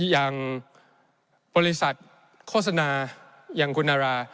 อย่างบริษัทโฆษณาอย่างคุณนารา